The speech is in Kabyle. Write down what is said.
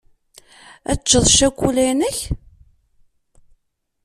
Ad teččeḍ cakula-inek.